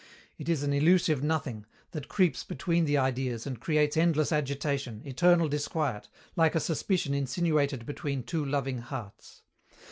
It is an elusive nothing, that creeps between the Ideas and creates endless agitation, eternal disquiet, like a suspicion insinuated between two loving hearts.